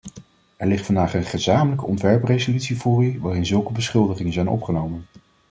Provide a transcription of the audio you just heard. Er ligt vandaag een gezamenlijke ontwerpresolutie voor u waarin zulke beschuldigingen zijn opgenomen.